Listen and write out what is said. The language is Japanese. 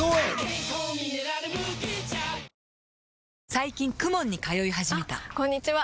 最近 ＫＵＭＯＮ に通い始めたあこんにちは！